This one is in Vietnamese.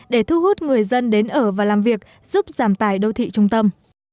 để thu hút người dân đến ở và làm việc giúp giảm tải đô thị trung tâm